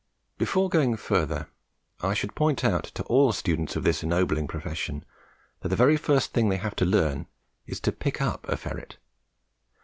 Before going further I should point out to all students of this ennobling profession that the very first thing they have to learn is to pick up a ferret.